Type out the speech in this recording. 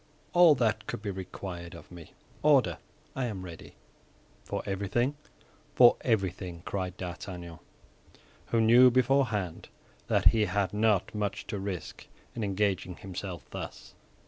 "All that could be required of me. Order; I am ready." "For everything?" "For everything," cried D'Artagnan, who knew beforehand that he had not much to risk in engaging himself thus.